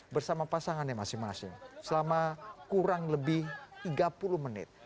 bersama pasangannya masing masing selama kurang lebih tiga puluh menit